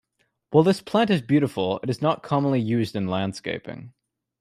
While this plant is beautiful, it is not commonly used in landscaping.